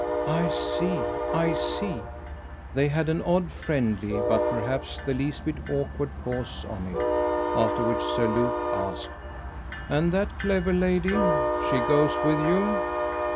"I see I see." They had an odd friendly, but perhaps the least bit awkward pause on it; after which Sir Luke asked: "And that clever lady she goes with you?"